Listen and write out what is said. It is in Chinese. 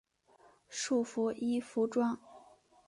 束缚衣服装。